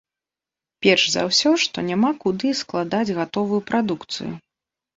Перш за ўсё, што няма куды складаць гатовую прадукцыю.